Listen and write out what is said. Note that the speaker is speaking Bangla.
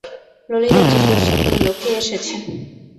ললিতা জিজ্ঞাসা করিল, কে এসেছে?